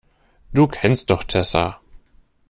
Du kennst doch Tessa.